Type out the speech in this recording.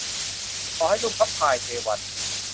ขอให้ลูกพระพายเทวัญ